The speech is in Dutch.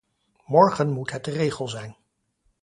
Morgen moet het de regel zijn.